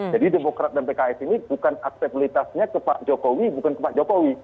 jadi demokras dan pks ini bukan aktualitasnya ke pak jokowi bukan ke pak jokowi